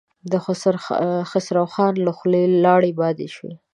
د خسرو خان له خولې لاړې باد شوې.